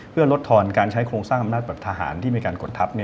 เพื่อลดทอนการใช้โครงสร้างอำนาจแบบทหารที่มีการกดทัพ